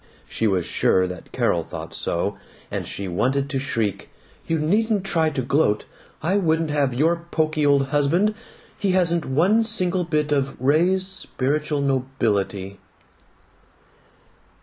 She was sure that Carol thought so, and she wanted to shriek, "You needn't try to gloat! I wouldn't have your pokey old husband. He hasn't one single bit of Ray's spiritual nobility."